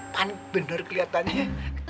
panik bener keliatannya